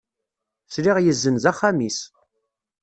Sliɣ yezzenz axxam-is.